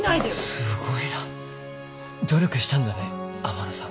すごいな。努力したんだね天野さん。